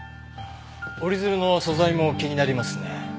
折り鶴の素材も気になりますね。